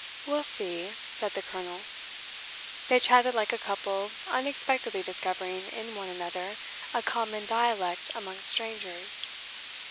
"We'll see," said the colonel. They chatted like a couple unexpectedly discovering in one another a common dialect among strangers.